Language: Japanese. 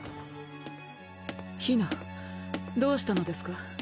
ひなどうしたのですか？